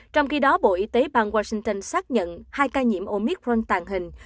trong khi đó bộ y tế bang washington xác nhận hai ca nhiễm omicron tàn hình